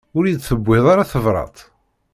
Ur yi-d-tewwiḍ ara tebrat?